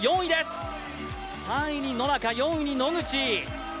３位に野中、４位に野口。